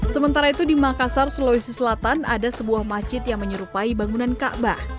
sementara itu di makassar sulawesi selatan ada sebuah masjid yang menyerupai bangunan ka'bah